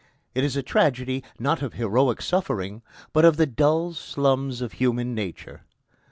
It is a tragedy, not of heroic suffering, but of the dull slums of human nature.